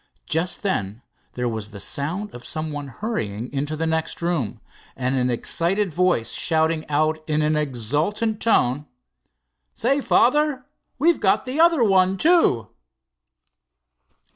Just then there was the sound of some one hurrying into the next room, and an excited voice shouted out in an exultant tone: "Say, father, we've got the other one, too!"